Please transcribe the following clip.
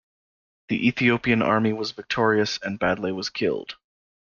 The Ethiopian army was victorious, and Badlay was killed.